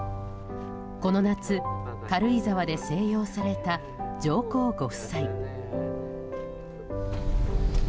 この夏、軽井沢で静養された上皇ご夫妻。